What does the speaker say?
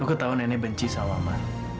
aku tahu nenek benci sama mama